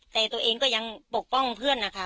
แต่ตัวเองก็ยังปกป้องเพื่อนนะคะ